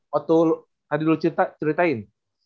waktu tadi lu ceritain